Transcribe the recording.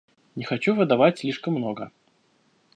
Не хочу выдавать слишком много.